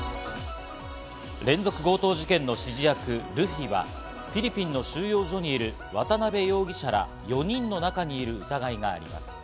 連続強盗事件の指示役・ルフィはフィリピンの収容所にいる渡辺容疑者ら４人の中にいる疑いがあります。